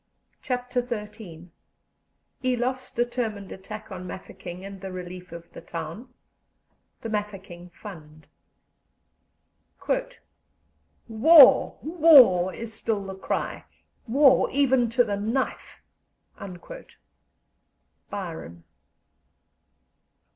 CHAPTER XIII ELOFF'S DETERMINED ATTACK ON MAFEKING, AND THE RELIEF OF THE TOWN THE MAFEKING FUND "War, war is still the cry war even to the knife!" BYRON.